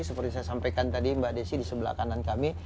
seperti saya sampaikan tadi mbak desi di sebelah kanan kami